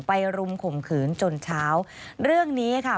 รุมข่มขืนจนเช้าเรื่องนี้ค่ะ